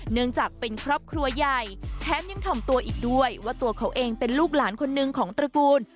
เนื่องจากเป็นครอบครัวใหญ่แถมยังถ่อมตัวอีกด้วยว่าตัวเขาเองเป็นลูกหลานคนหนึ่งของตระกูล